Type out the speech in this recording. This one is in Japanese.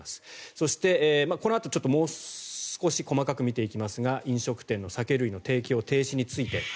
そして、このあともう少し細かく見ていきますが飲食店の酒類の提供停止について。